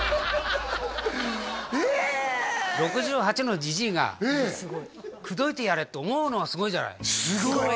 ６８のじじいが口説いてやれって思うのはすごいじゃないすごい！